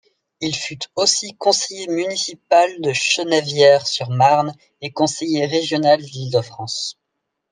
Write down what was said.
Il fut aussi conseiller municipal de Chennevières-sur-Marne et conseiller régional d'Île-de-France.